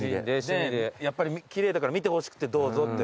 やっぱり奇麗だから見てほしくて「どうぞ」って。